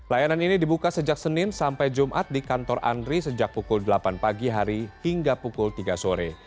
layanan ini dibuka sejak senin sampai jumat di kantor andri sejak pukul delapan pagi hari hingga pukul tiga sore